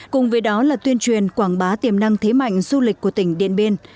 cùng với đó là tuyên truyền quảng bá tiềm năng thế mạnh du lịch của tỉnh điện biên